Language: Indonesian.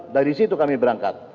dari situ kami berangkat